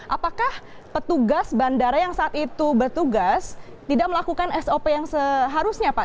apakah petugas bandara yang saat itu bertugas tidak melakukan sop yang seharusnya pak